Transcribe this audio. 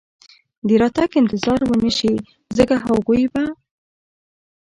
د راتګ انتظار و نه شي، ځکه هغوی به.